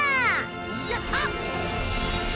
やった！